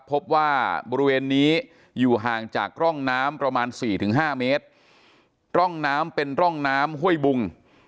พบว่าบริเวณนี้อยู่ห่างจากร่องน้ำประมาณสี่ถึงห้าเมตรร่องน้ำเป็นร่องน้ำห้วยบุง